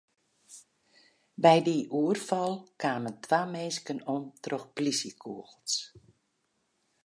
By dy oerfal kamen twa minsken om troch plysjekûgels.